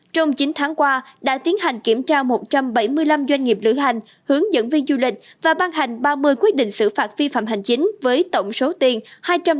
trong chín tháng qua đã tiến hành kiểm tra một trăm bảy mươi năm doanh nghiệp lửa hành hướng dẫn viên du lịch và ban hành ba mươi quyết định xử phạt vi phạm hành chính với tổng số tiền hai trăm tám mươi triệu